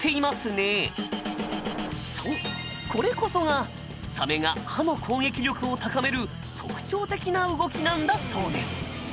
これこそがサメが歯の攻撃力を高める特徴的な動きなんだそうです。